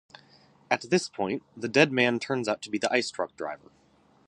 At this point, the dead man turns out to be the ice truck driver.